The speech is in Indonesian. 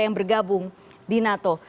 yang bergabung di nato